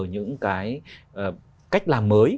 những cái cách làm mới